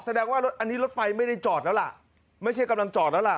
แสดงว่ารถอันนี้รถไฟไม่ได้จอดแล้วล่ะไม่ใช่กำลังจอดแล้วล่ะ